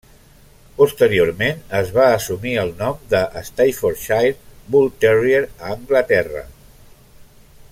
Posteriorment, es va assumir el nom de Staffordshire Bull Terrier a Anglaterra.